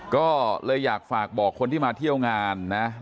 ก็เลยอยากฝากบอกคนที่มาเที่ยวงานนะ